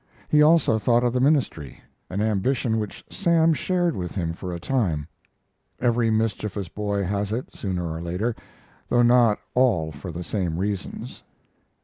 He also thought of the ministry, an ambition which Sam shared with him for a time. Every mischievous boy has it, sooner or later, though not all for the same reasons.